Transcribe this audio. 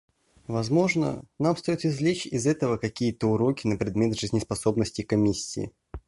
Возможно, нам стоит извлечь из этого какие-то уроки на предмет жизнеспособности Комиссии.